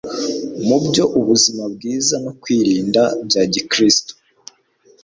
mu byo Ubuzima bwiza no Kwirinda bya Gikristo